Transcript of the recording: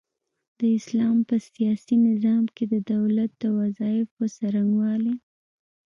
د اسلام په سياسي نظام کي د دولت د وظايفو څرنګوالۍ